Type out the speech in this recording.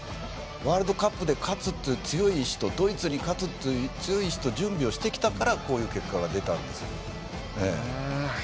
ワールドカップで勝つという強い意志とドイツに勝つという強い意志と準備をしてきてからこういう結果が出たんです。